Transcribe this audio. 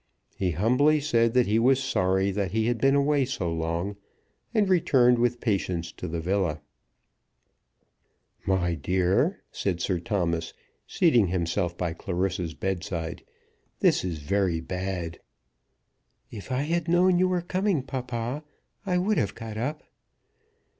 He humbly said that he was sorry that he had been away so long, and returned with Patience to the villa. "My dear," said Sir Thomas, seating himself by Clarissa's bedside, "this is very bad." "If I had known you were coming, papa, I would have got up."